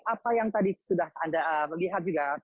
apa yang tadi sudah anda lihat juga